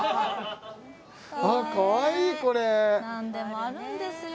かわいい何でもあるんですよ